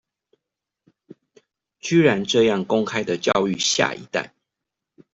居然這樣公開的教育下一代